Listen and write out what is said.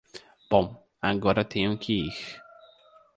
Bom, agora tenho que ir.